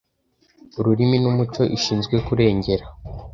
Ururimi n’Umuco ishinzwe kurengera